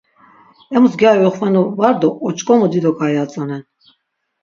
Emus gyari oxvenu var do oç̌ǩomu dido ǩai atzonen.